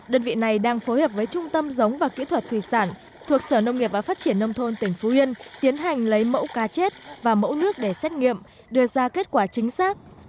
đơn vị này đang phối hợp với trung tâm giống và kỹ thuật thủy sản thuộc sở nông nghiệp và phát triển nông thôn tỉnh phú yên tiến hành lấy mẫu cá chết và mẫu nước để xét nghiệm đưa ra kết quả chính xác